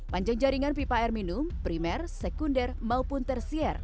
panjang jaringan pipa air minum primer sekunder maupun tersier